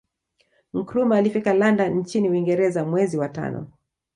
Nkrumah alfika London nchini Uingereza mwezi wa tano